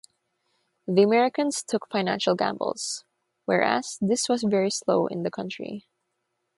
The Americans took financial gambles, whereas this was very slow in this country.